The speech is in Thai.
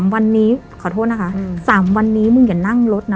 วันนี้ขอโทษนะคะ๓วันนี้มึงอย่านั่งรถนะ